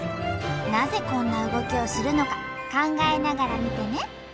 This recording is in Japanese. なぜこんな動きをするのか考えながら見てね。